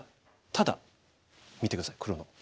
ただ見て下さい黒の。